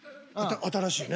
新しいね。